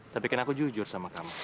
tapi kan aku jujur sama kamu